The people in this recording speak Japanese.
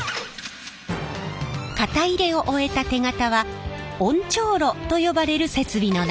型入れを終えた手型は温調炉と呼ばれる設備の中へ。